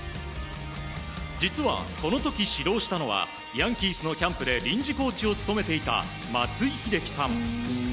実はこの時、指導したのはヤンキースのキャンプで臨時コーチを務めていた松井秀喜さん。